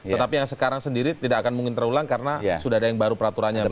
tetapi yang sekarang sendiri tidak akan mungkin terulang karena sudah ada yang baru peraturannya begitu